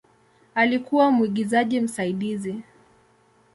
Alikuwa mwigizaji msaidizi.